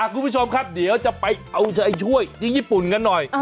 คุณผู้ชมครับเดี๋ยวจะไปเอาใจช่วยที่ญี่ปุ่นกันหน่อย